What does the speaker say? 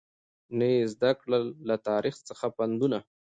نه یې زده کړل له تاریخ څخه پندونه